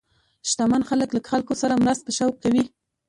شتمن خلک له خلکو سره مرسته په شوق کوي.